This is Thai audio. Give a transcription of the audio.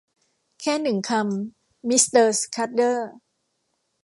แค่หนึ่งคำ มิสเตอร์สคัดเดอร์